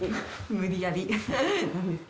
無理やり。